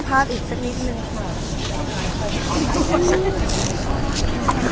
ภาษาสนิทยาลัยสุดท้าย